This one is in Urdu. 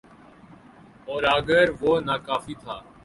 اوراگر وہ ناکافی تھا۔